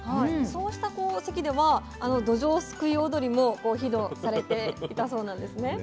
そうした席ではどじょうすくい踊りもご披露されていたそうなんですね。